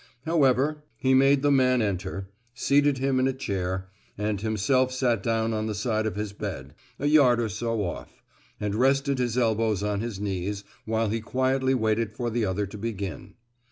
However, he made the man enter, seated him in a chair, and himself sat down on the side of his bed, a yard or so off, and rested his elbows on his knees while he quietly waited for the other to begin.